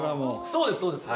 そうですそうです。